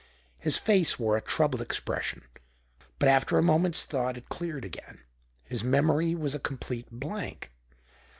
His face wore a troubled expression, but after a moment's thought it cleared again. His memory was a complete blank.